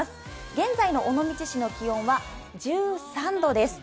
現在の尾道市の気温は１３度です。